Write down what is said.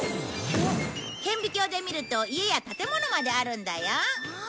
顕微鏡で見ると家や建物まであるんだよ。